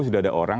sudah ada orang